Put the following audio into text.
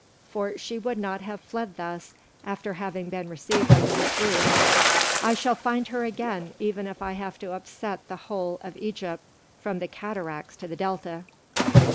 for she would not have fled thus, after having been received under his roof. I shall find her again, even if I have to upset the whole of Egypt from the Cataracts to the Delta."